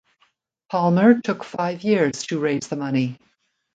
Palmer took five years to raise the money.